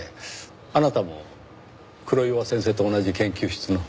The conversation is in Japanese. あなたも黒岩先生と同じ研究室の？